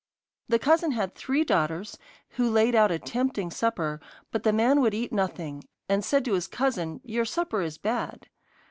The cousin had three daughters, who laid out a tempting supper, but the man would eat nothing, and said to his cousin, 'Your supper is bad.